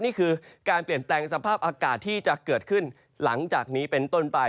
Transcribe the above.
นี่คือการเปลี่ยนแปลงสภาพอากาศที่จะเกิดขึ้นหลังจากนี้เป็นต้นไป